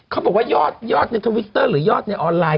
เขาบอกว่ายอดในทวิตเตอร์หรือยอดในออนไลน